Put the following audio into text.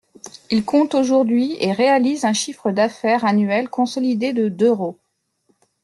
Il compte aujourd'hui et réalise un chiffre d'affaires annuel consolidé de d'euros.